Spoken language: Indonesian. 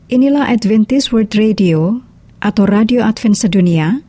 inilah adventist world radio atau radio advent sedunia